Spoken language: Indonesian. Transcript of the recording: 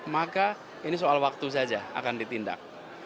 maka ini soal waktu saja akan ditindak